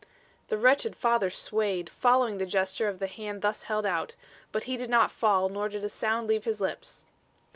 The wretched father swayed, following the gesture of the hand thus held out; but he did not fall, nor did a sound leave his lips.